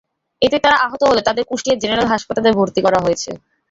এতে তাঁরা আহত হলে তাঁদের কুষ্টিয়া জেনারেল হাসপাতালে ভর্তি করা হয়েছে।